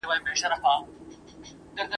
درې څلور یې وه بچي پکښي ساتلي ..